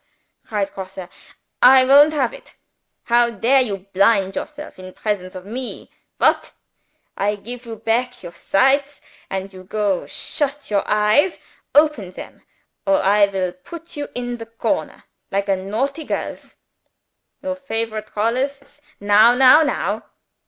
cried Grosse. "I won't have it! How dare you blind yourself, in the presence of Me? What! I give you back your sights, and you go shut your eyes. Open them or I will put you in the corner like a naughty girls. Your favorite colors? Now, now, now!"